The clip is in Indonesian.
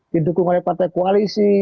didukung oleh partai koalisi